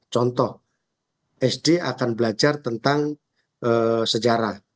contoh sd akan belajar tentang sejarah